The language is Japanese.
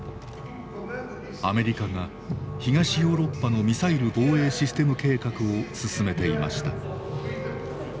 アメリカが東ヨーロッパのミサイル防衛システム計画を進めていました。